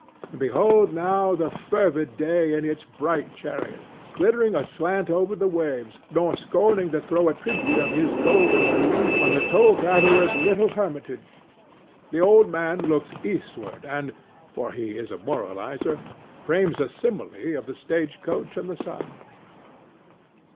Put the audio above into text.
And behold now the fervid day in his bright chariot, glittering aslant over the waves, nor scorning to throw a tribute of his golden beams on the toll gatherer's little hermitage. The old man looks eastward, and (for he is a moralizer) frames a simile of the stage coach and the sun.